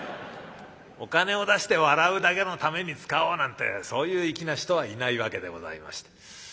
お金を出して笑うだけのために使おうなんてそういう粋な人はいないわけでございまして。